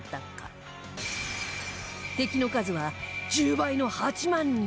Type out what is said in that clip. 敵の数は１０倍の８万人